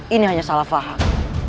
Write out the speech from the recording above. ini hanya salah faham